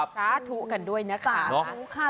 สาธุกันด้วยนะคะ